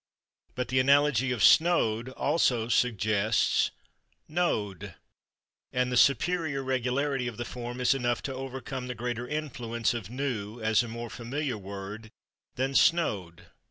But the analogy of /snowed/ also suggests /knowed/, and the superior regularity of the form is enough to overcome the greater influence of /knew/ as a more familiar word than /snowed